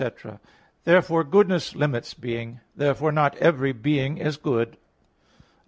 Therefore goodness limits being. Therefore not every being is good. Obj.